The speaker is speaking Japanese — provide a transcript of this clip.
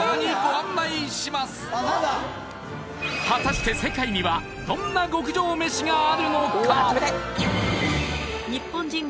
果たして世界にはどんな極上メシがあるのか？